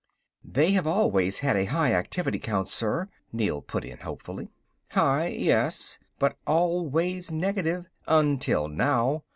"They have always had a high activity count, sir," Neel put in hopefully. "High yes, but always negative. Until now.